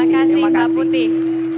terima kasih mbak putih